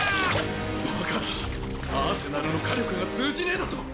バカなアーセナルの火力が通じねえだと？